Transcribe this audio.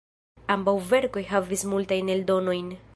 Ambaŭ verkoj havis multajn eldonojn.